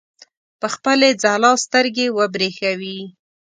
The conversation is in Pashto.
په خپلې ځلا سترګې وبرېښوي.